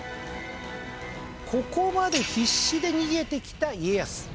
ここまで必死で逃げてきた家康。